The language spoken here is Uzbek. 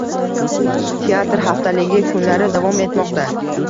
«Teatr haftaligi» kunlari davom etmoqda